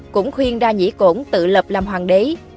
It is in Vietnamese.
cũng khuyên đa nhĩ cổn tự lập làm hoàng đế